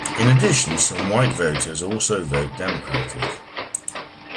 In addition, some white voters also vote Democratic.